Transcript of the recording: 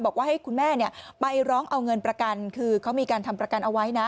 บอกว่าให้คุณแม่ไปร้องเอาเงินประกันคือเขามีการทำประกันเอาไว้นะ